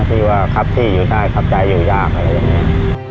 ที่ว่าครับที่อยู่ได้ครับใจอยู่ยากอะไรอย่างนี้